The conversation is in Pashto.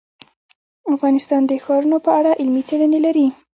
افغانستان د ښارونه په اړه علمي څېړنې لري.